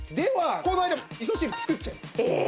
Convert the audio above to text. この間に味噌汁作っちゃいます。